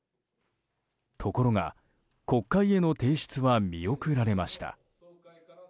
ところが、国会への提出は見送られました。